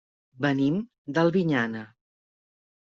Venim d'Albinyana.